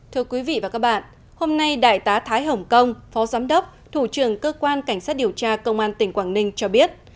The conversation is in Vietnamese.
thưa quý vị và các bạn hôm nay đại tá thái hồng kông phó giám đốc thủ trưởng cơ quan cảnh sát điều tra công an tỉnh quảng ninh cho biết